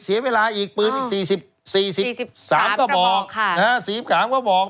เสียเวลาอีกปืนอีก๔๓ก็บอก